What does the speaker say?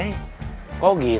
umur kita tetap l mitea